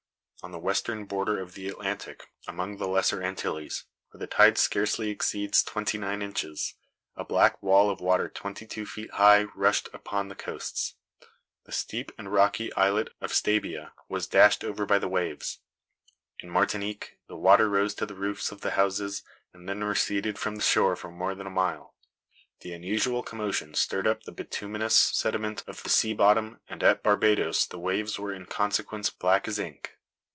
On the western border of the Atlantic, among the lesser Antilles, where the tide scarcely exceeds twenty nine inches, a black wall of water twenty two feet high rushed upon the coasts. The steep and rocky islet of Stabia was dashed over by the waves. In Martinique the water rose to the roofs of the houses, and then receded from the shore for more than a mile. The unusual commotion stirred up the bituminous sediment of the sea bottom, and at Barbadoes the waves were in consequence black as ink.